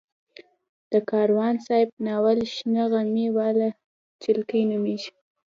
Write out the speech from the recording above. د کاروان صاحب ناول شنه غمي واله جلکۍ نومېږي.